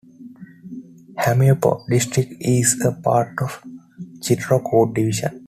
Hamirpur district is a part of Chitrakoot Division.